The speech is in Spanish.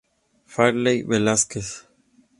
Farley Velázquez.